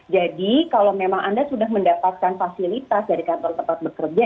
jadi kalau memang anda sudah mendapatkan fasilitas dari kantor tempat bekerja